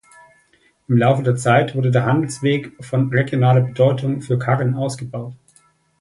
Im Laufe der Zeit wurde der Handelsweg von regionaler Bedeutung für Karren ausgebaut.